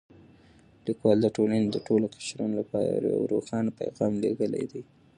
لیکوال د ټولنې د ټولو قشرونو لپاره یو روښانه پیغام لېږلی دی.